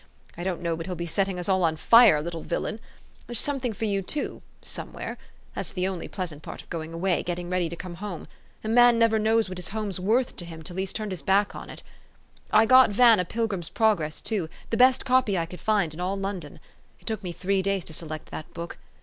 I don't know but he'll be set ting us all on fire, little villain ! There's something for you, too, somewhere. That's the only pleasant part of going away, getting ready to come home. A man never knows what his home's worth to him, THE STORY OF AVIS. 387 till he's turned his back on it. I got Van a ' Pil grim's Progress ' too, the best copy I could find in all London. It took me three days to select that book.